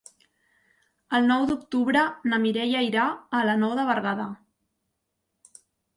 El nou d'octubre na Mireia irà a la Nou de Berguedà.